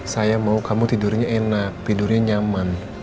saya mau kamu tidurnya enak tidurnya nyaman